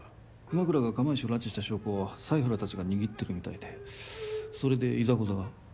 熊倉が釜石を拉致した証拠を犀原たちが握ってるみたいでそれでいざこざが。